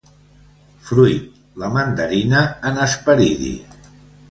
Fruit, la mandarina, en hesperidi.